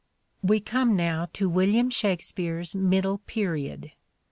We come now to William Shakspere's middle period.